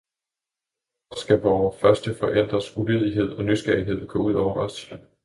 Hvorfor skal vore første forældres ulydighed og nysgerrighed gå ud over os.